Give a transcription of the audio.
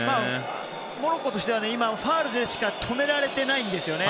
モロッコとしては今、ファウルでしか止められていないんですよね。